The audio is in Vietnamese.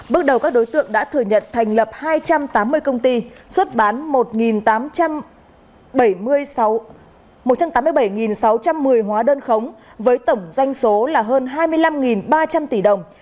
bước đầu các đối tượng đã thừa nhận thành lập hai trăm tám mươi công ty xuất bán một tám mươi bảy sáu trăm một mươi hóa đơn khống với tổng doanh số là hơn hai mươi năm ba trăm linh tỷ đồng